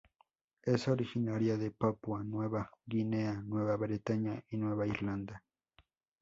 Es originaria de Papúa Nueva Guinea, Nueva Bretaña y Nueva Irlanda.